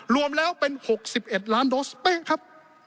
รวมแล้วเป็น๖๑ล้านโดสเป๊ะครับ